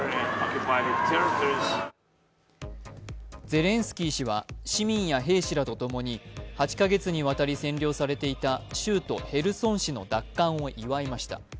ゼレンスキー氏は、市民や兵士らとともに８か月にわたり占領されていた州都ヘルソン市の奪還を祝いました。